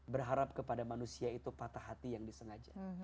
berharap kepada manusia itu patah hati yang disengaja